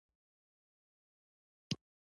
د مجاهدینو سل پنځوس تنه د کورنۍ خاوندان دي.